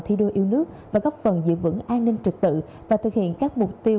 thi đua yêu nước và góp phần giữ vững an ninh trực tự và thực hiện các mục tiêu